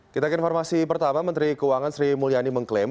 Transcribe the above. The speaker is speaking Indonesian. kita ke informasi pertama menteri keuangan sri mulyani mengklaim